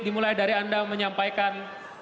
dimulai dari anda menyampaikan